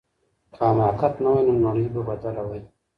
که حماقت نه وای نو نړۍ به بدله وای.